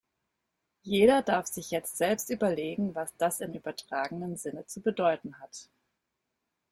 Jeder darf sich jetzt selbst überlegen, was das im übertragenen Sinne zu bedeuten hat.